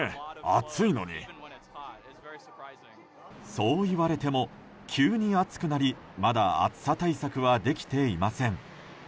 そういわれても急に暑くなり、まだ暑さ対策はできていません。